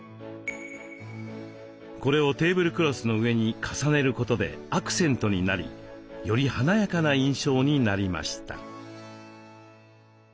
これをテーブルクロスの上に重ねることでアクセントになりより華やかな印象になりました。